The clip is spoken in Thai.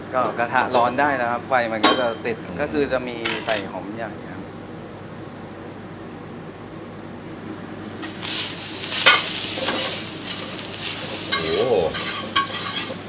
ก็กระทะร้อนได้นะครับไฟมันก็จะติดก็คือจะมีใส่หอมใหญ่ครับ